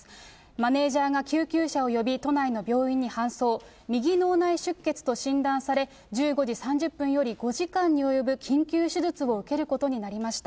マネージャーが救急車を呼び、都内の病院に搬送、右脳内出血と診断され、１５時３０分より、５時間に及ぶ緊急手術を受けることになりました。